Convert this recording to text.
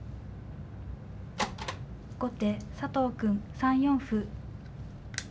後手佐藤くん３四歩。